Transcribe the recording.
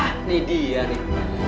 ah ini dia nih